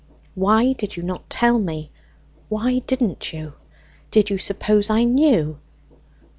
"Why did you not tell me why didn't you? Did you suppose I knew?